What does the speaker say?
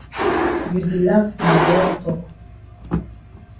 You di laf ma dull tok.